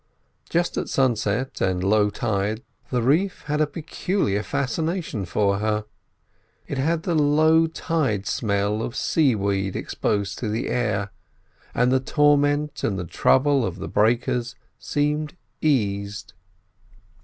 Just at sunset and low tide the reef had a peculiar fascination for her. It had the low tide smell of sea weed exposed to the air, and the torment and trouble of the breakers seemed eased.